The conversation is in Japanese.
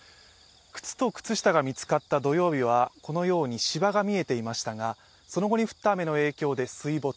靴と靴下が見つかった土曜日はこのように芝が見えていましたがその後に降った雨の影響で水没。